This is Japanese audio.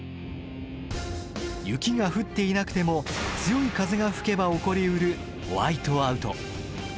雪が降っていなくても強い風が吹けば起こりうるホワイトアウト。